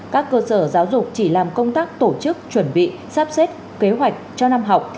các cơ sở giáo dục chỉ làm công tác tổ chức chuẩn bị sắp xếp kế hoạch cho năm học